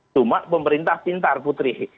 cuma pemerintah pintar putri